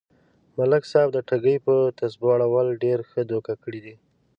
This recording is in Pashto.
ملک صاحب د ټگۍ يه تسبو اړولو ډېر خلک دوکه کړي دي.